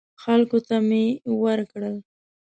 خلکو ته مې ورکړل.